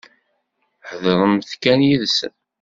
Heḍṛemt kan yid-sen.